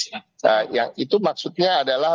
nah yang itu maksudnya adalah